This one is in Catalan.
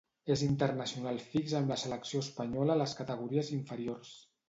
És internacional fix amb la selecció espanyola a les categories inferiors.